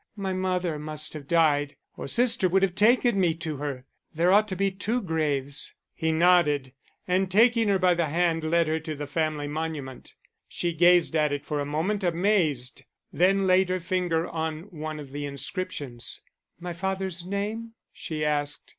My mother must have died, or sister would have taken me to her. There ought to be two graves." He nodded, and taking her by the hand led her to the family monument. She gazed at it for a moment, amazed, then laid her finger on one of the inscriptions. "My father's name?" she asked.